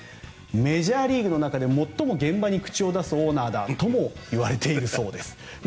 メジャーリーグの中で最も現場に口を出すオーナーだとも言われているそうです。